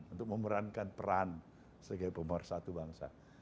untuk memerankan peran sebagai pemersatu bangsa